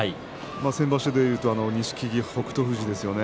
先場所でいうと錦木北勝富士ですね。